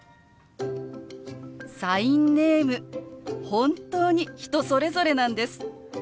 本当に人それぞれなんです。